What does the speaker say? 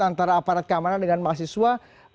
antara aparat keamanan dengan mahasiswa